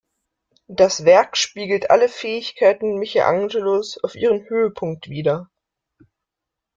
Das Werk spiegelt alle Fähigkeiten Michelangelos auf ihrem Höhepunkt wider.